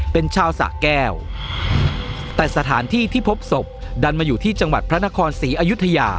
เป็นชาวสะแก้วแต่สถานที่ที่พบศพดันมาอยู่ที่จังหวัดพระนครศรีอยุธยา